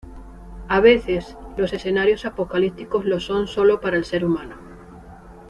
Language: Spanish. A veces los escenarios apocalípticos lo son sólo para el ser humano.